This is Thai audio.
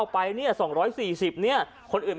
แหมให้เถียงกันไม่ลดละเลยคุณผู้ชม